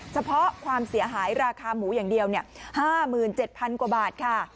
ความเสียหายราคาหมูอย่างเดียว๕๗๐๐กว่าบาทค่ะ